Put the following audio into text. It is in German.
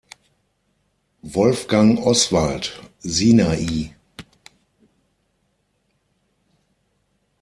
Wolfgang Oswald: Sinai.